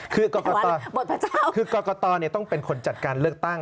คือกรกตคือกรกตต้องเป็นคนจัดการเลือกตั้ง